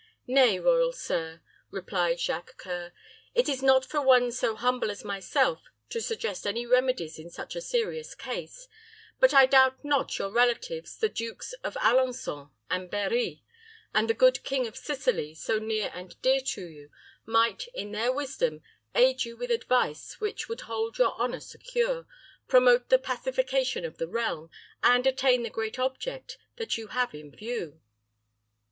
"Nay, royal sir," replied Jacques C[oe]ur," it is not for one so humble as myself to suggest any remedies in such a serious case; but I doubt not your relatives, the Dukes of Alençon and Berri, and the good King of Sicily, so near and dear to you, might, in their wisdom, aid you with advice which would hold your honor secure, promote the pacification of the realm, and attain the great object that you have in view."